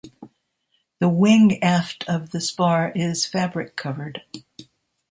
The wing aft of the spar is fabric-covered.